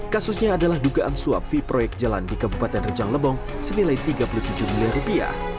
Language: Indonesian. kasusnya adalah dugaan suap v proyek jalan di kabupaten rejang lebong senilai tiga puluh tujuh miliar rupiah